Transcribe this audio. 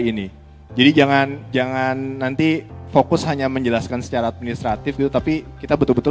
ini jadi jangan jangan nanti fokus hanya menjelaskan secara administratif gitu tapi kita betul betul